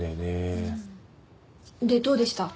でどうでした？